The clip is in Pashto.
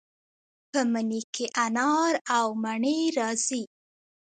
په مني کې انار او مڼې راځي.